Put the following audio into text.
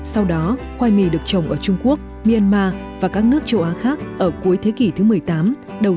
sau đó khoai mì được trồng ở trung quốc myanmar và các nước châu á khác ở cuối thế kỷ thứ một mươi tám